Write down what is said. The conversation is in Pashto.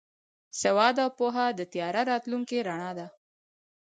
سواد او پوهه د تیاره راتلونکي رڼا ده.